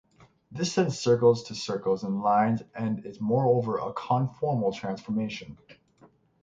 This sends circles to circles and lines, and is moreover a conformal transformation.